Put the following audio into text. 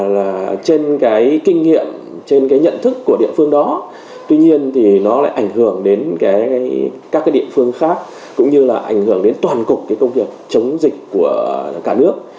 là trên cái kinh nghiệm trên cái nhận thức của địa phương đó tuy nhiên thì nó lại ảnh hưởng đến các cái địa phương khác cũng như là ảnh hưởng đến toàn cục cái công việc chống dịch của cả nước